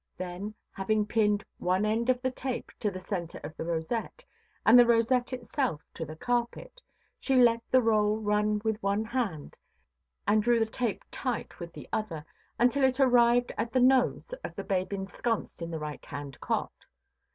Then, having pinned one end of the tape to the centre of the rosette, and the rosette itself to the carpet, she let the roll run with one hand, and drew the tape tight with the other, until it arrived at the nose of the babe ensconced in the right–hand cot.